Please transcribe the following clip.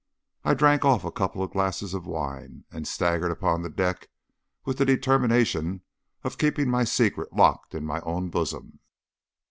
I drank off a couple of glasses of wine, and staggered upon deck with the determination of keeping my secret locked in my own bosom.